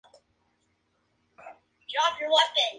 Se elige esta distancia porque podemos ver ambos ojos a la vez.